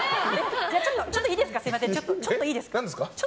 ちょっといいですか。